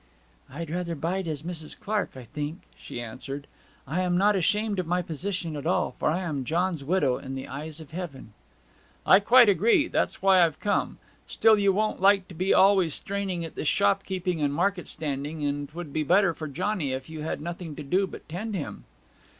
'I'd rather bide as Mrs. Clark, I think,' she answered. 'I am not ashamed of my position at all; for I am John's widow in the eyes of Heaven.' 'I quite agree that's why I've come. Still, you won't like to be always straining at this shop keeping and market standing; and 'twould be better for Johnny if you had nothing to do but tend him.'